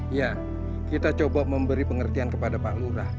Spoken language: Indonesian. iya kita coba memberi pengertian kepada pak lurah